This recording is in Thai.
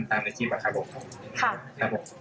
ตามในจิปอะครับผม